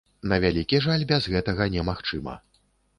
На вялікі жаль, без гэтага немагчыма.